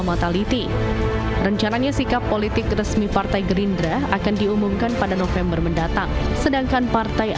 mas oni anwar harsono itu wakil bupati ngawi itu mulai muncul di dalam radar kami